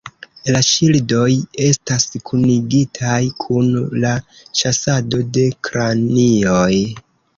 La ŝildoj estas kunigitaj kun la ĉasado de kranioj.